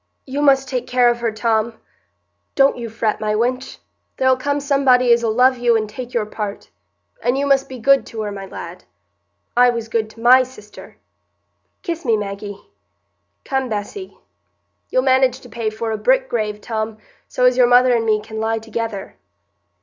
"You must take care of her, Tom—don't you fret, my wench—there'll come somebody as'll love you and take your part—and you must be good to her, my lad. I was good to my sister. Kiss me, Maggie.—Come, Bessy.—You'll manage to pay for a brick grave, Tom, so as your mother and me can lie together."